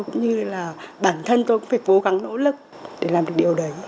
cũng như là bản thân tôi cũng phải cố gắng nỗ lực để làm được điều đấy